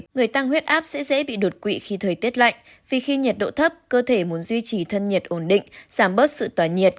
người tăng huyết áp sẽ dễ bị đột quỵ khi thời tiết lạnh vì khi nhiệt độ thấp cơ thể muốn duy trì thân nhiệt ổn định giảm bớt sự tỏa nhiệt